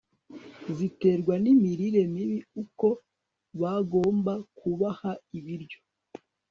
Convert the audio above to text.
ziterwa n'imirire mibi uko bagomba kubaha ibiryo